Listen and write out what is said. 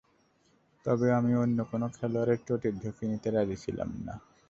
তবে আমি অন্য কোনো খেলোয়াড়ের চোটের ঝুঁকি নিতে রাজি ছিলাম না।